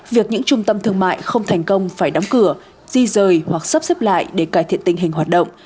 việc những trung tâm thương mại không thành công phải đóng cửa di rời hoặc sắp xếp lại để cải thiện tình hình hoạt động